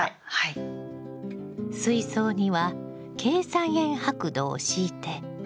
水槽にはケイ酸塩白土を敷いて。